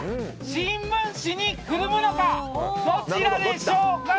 新聞紙にくるむのかどちらでしょうか。